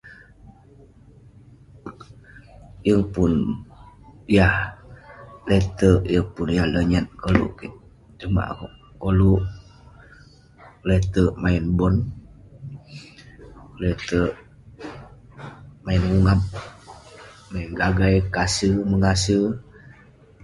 Yeng pun yah leterk, yeng pun yah lonyat koluk kik. Sumak akouk koluk leterk main bon, keleterk main ungap, [unintelligible] kase- mengase.